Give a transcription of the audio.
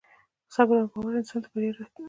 صبر او باور انسان بریا ته رسوي.